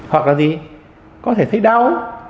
hoặc là gì có thể thấy đau